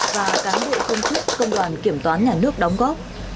và cán bộ công chức công đoàn kiểm toán nhà nước đóng góp